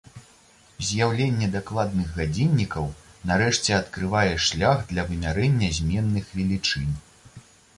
З'яўленне дакладных гадзіннікаў нарэшце адкрывае шлях для вымярэння зменных велічынь.